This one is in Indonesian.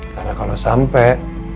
karena kalau sampai